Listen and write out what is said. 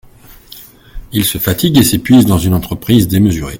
Il se fatigue et s'épuise dans une entreprise démesurée.